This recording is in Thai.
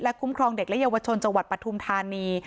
คุ้มครองเด็กและเยาวชนจังหวัดปฐุมธานี